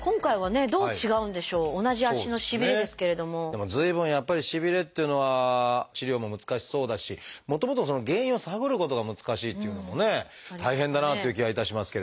でも随分やっぱりしびれっていうのは治療も難しそうだしもともとその原因を探ることが難しいっていうのもね大変だなという気がいたしますけれども。